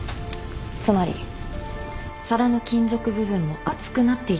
つまり皿の金属部分も熱くなっていたはずなんです。